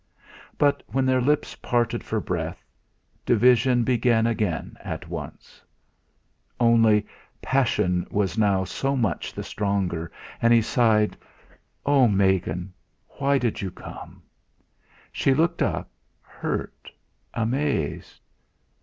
But when their lips parted for breath, division began again at once. Only, passion now was so much the stronger, and he sighed: "Oh! Megan! Why did you come?" She looked up, hurt, amazed.